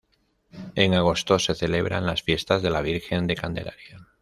En agosto se celebran las fiestas de la Virgen de Candelaria.